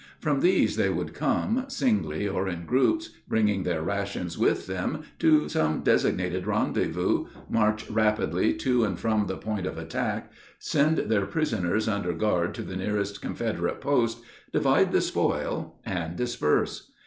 From these they would come, singly or in groups, bringing their rations with them to some designated rendezvous, march rapidly to and from the point of attack, send their prisoners under guard to the nearest Confederate post, divide the spoil, and disperse.